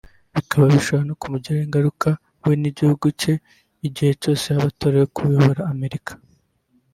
Bikaba bishobora no kumugiraho ingaruka we n’igihugu cye igihe cyose yaba atorewe kuyobora Amerika